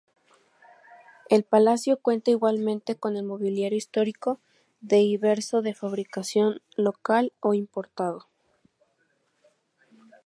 El palacio cuenta igualmente con mobiliario histórico diverso de fabricación local o importado.